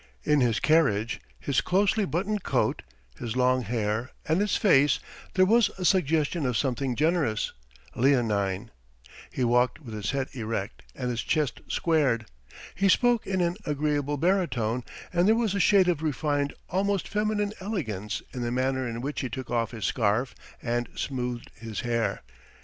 In his carriage, his closely buttoned coat, his long hair, and his face there was a suggestion of something generous, leonine; he walked with his head erect and his chest squared, he spoke in an agreeable baritone, and there was a shade of refined almost feminine elegance in the manner in which he took off his scarf and smoothed his hair.